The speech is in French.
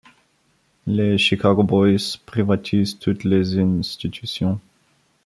Les Chicago Boys privatisent toutes les institutions.